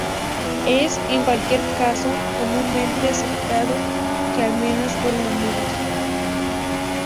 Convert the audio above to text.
Es, en cualquier caso, comúnmente aceptado que al menos fueron amigos.